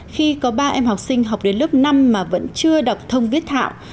khi có ba em học sinh học đến lớp năm mà vẫn chưa đọc thông viết thạo